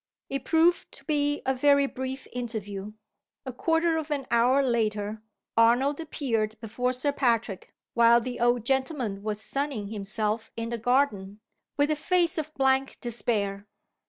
It proved to be a very brief interview. A quarter of an hour later, Arnold appeared before Sir Patrick while the old gentleman was sunning himself in the garden with a face of blank despair.